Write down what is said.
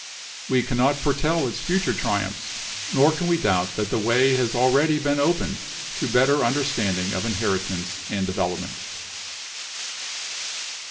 We cannot foretell its future triumphs, nor can we doubt that the way has already been opened to better understanding of inheritance and development."